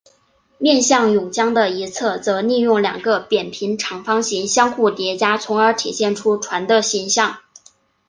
面向甬江的一侧则利用两个扁平长方形相互叠加从而体现出船的形象。